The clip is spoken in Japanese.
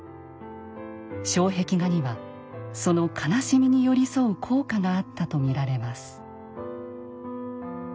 障壁画にはその悲しみに寄り添う効果があったと見られます。